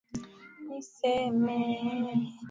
Maji yamemwagika